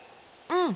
うん！